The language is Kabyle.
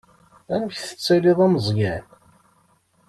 Amek tettiliḍ a Meẓyan?